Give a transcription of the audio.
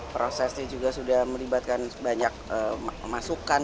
prosesnya juga sudah melibatkan banyak masukan